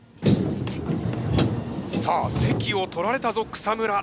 さあ席を取られたぞ草村。